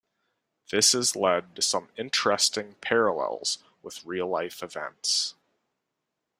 This has led to some interesting parallels with real-life events.